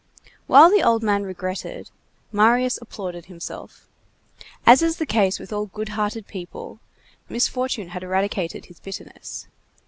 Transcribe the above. While the old man regretted, Marius applauded himself. As is the case with all good hearted people, misfortune had eradicated his bitterness.